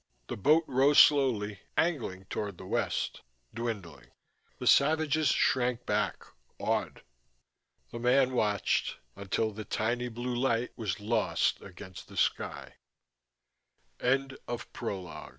The boat rose slowly, angling toward the west, dwindling. The savages shrank back, awed. The man watched until the tiny blue light was lost against the sky. C